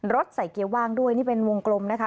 ใส่เกียร์ว่างด้วยนี่เป็นวงกลมนะคะ